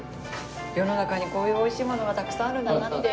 世の中にこういう美味しいものがたくさんあるんだなって。